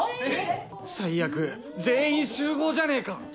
最悪全員集合じゃねえか